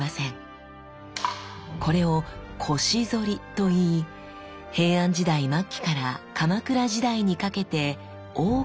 これを「腰反り」と言い平安時代末期から鎌倉時代にかけて多く見られた特徴です。